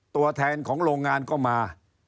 ตัวแทนของโรงงานก็มา